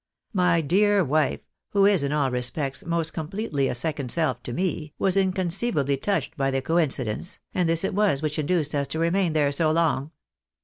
My dear wife, who is in all respects most com pletely a second self to me, was inconceivably touched by the coin cidence, and this it was which induced us to remain there so long."